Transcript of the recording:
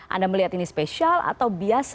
anda melihat ini spesial atau biasa